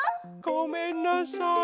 ごめんなさい